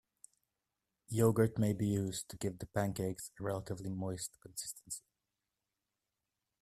Yogurt may be used to give the pancakes a relatively moist consistency.